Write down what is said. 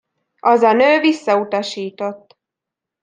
Az a nő visszautasított.